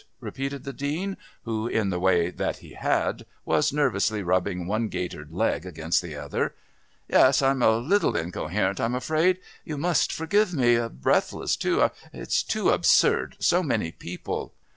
repeated the Dean, who, in the way that he had, was nervously rubbing one gaitered leg against the other. "Yes I'm a little incoherent, I'm afraid. You must forgive me... breathless too.... It's too absurd. So many people..."